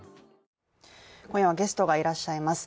今夜はゲストがいらっしゃいます。